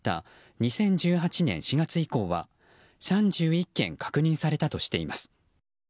２０１８年４月以降は３１件確認されたとしています。